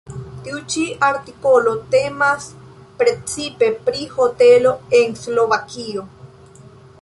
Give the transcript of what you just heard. Tiu ĉi artikolo temas precipe pri hotelo en Slovakio.